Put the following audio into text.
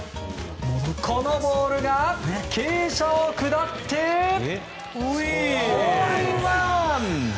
このボールが傾斜を下ってホールインワン！